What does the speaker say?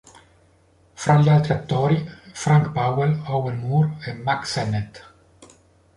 Tra gli altri attori, Frank Powell, Owen Moore e Mack Sennett.